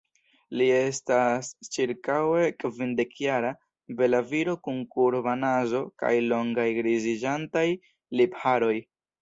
Li estas ĉirkaŭe kvindekjara, bela viro kun kurba nazo kaj longaj griziĝantaj lipharoj.